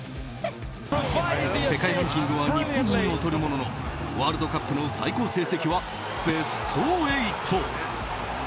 世界ランキングは日本に劣るもののワールドカップの最高成績はベスト８。